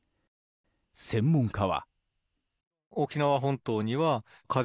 専門家は。